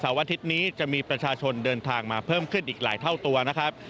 อาทิตย์นี้จะมีประชาชนเดินทางมาเพิ่มขึ้นอีกหลายเท่าตัวนะครับ